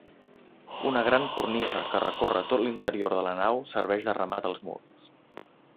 Una gran cornisa que recorre tot l'interior de la nau serveix de remat als murs.